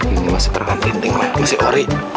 ini masih perhatian tinggal masih ori